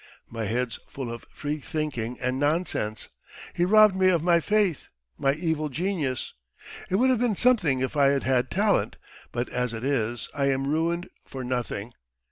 ... My head's full of freethinking and nonsense. ... He robbed me of my faith my evil genius! It would have been something if I had had talent, but as it is, I am ruined for nothing.